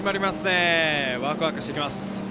ワクワクしてきます。